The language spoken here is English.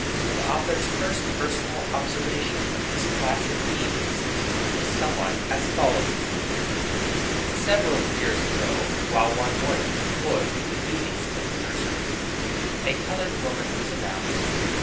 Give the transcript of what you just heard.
The author's first personal observation of this class of beings was somewhat as follows: Several years ago, while one morning employed in the duties of the nursery, a colored woman was announced.